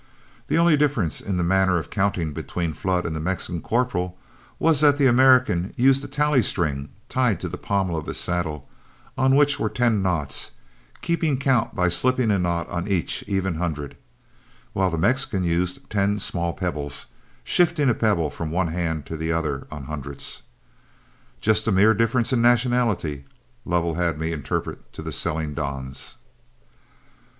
The only difference in the manner of counting between Flood and the Mexican corporal was that the American used a tally string tied to the pommel of his saddle, on which were ten knots, keeping count by slipping a knot on each even hundred, while the Mexican used ten small pebbles, shifting a pebble from one hand to the other on hundreds. "Just a mere difference in nationality," Lovell had me interpret to the selling dons.